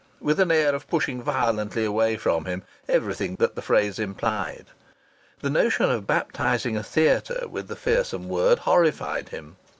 with an air of pushing violently away from him everything that the phrase implied. The notion of baptizing a theatre with the fearsome word horrified him.